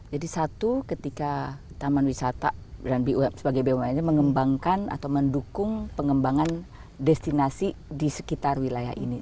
jadi satu ketika taman wisata dan buf sebagai bumn nya mengembangkan atau mendukung pengembangan destinasi di sekitar wilayah ini